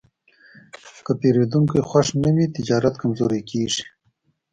که پیرودونکی خوښ نه وي، تجارت کمزوری کېږي.